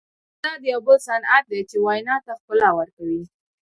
تضاد یو بل صنعت دئ، چي وینا ته ښکلا ورکوي.